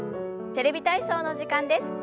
「テレビ体操」の時間です。